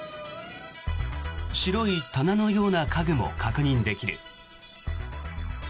白い棚のような家具も確認できる。